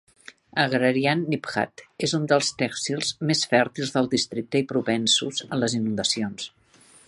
Agrarian Niphad és un dels tehsils més fèrtils del districte i propensos a les inundacions.